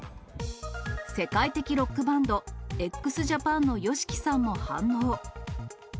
世界的ロックバンド、ＸＪＡＰＡＮのＹＯＳＨＩＫＩさんも反応。